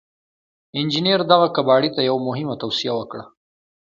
انجنير دغه کباړي ته يوه مهمه توصيه وکړه.